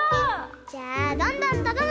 じゃあどんどんたた